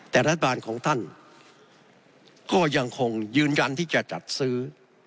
แต่รัฐบาลของท่านก็ยังคงยืนยันที่จะจัดซื้อ